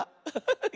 ハハハハ。